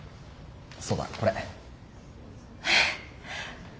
そうだこれ。え？